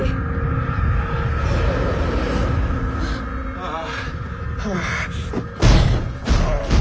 ああ。